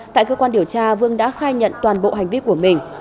tại cơ quan điều tra vương đã khai nhận toàn bộ hành vi của mình